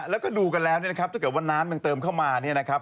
แล้วก็ดูกันแล้วเนี่ยนะครับถ้าเกิดว่าน้ำมันเติมเข้ามาเนี่ยนะครับ